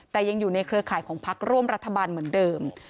แต่ยังอยู่ในเครือข่ายของพักร่วมรัฐบาลเหมือนเดิม